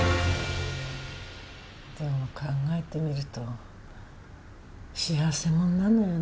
でも考えてみると幸せ者なのよね